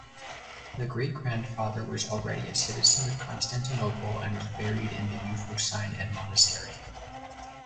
The great grandfather was already a citizen of Constantinople and was buried in the Euphrosyne monastery.